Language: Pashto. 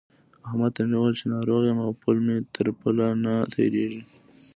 احمد ته مې وويل چې ناروغ يم او پل مې تر پله نه تېرېږي.